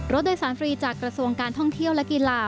รถโดยสารฟรีจากกระทรวงการท่องเที่ยวและกีฬา